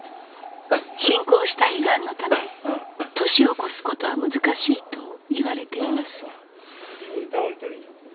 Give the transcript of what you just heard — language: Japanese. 進行した胃がんのため年を越すことは難しいといわれています。